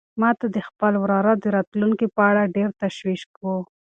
ما ته د خپل وراره د راتلونکي په اړه ډېر تشویش و.